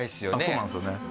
そうなんですよね。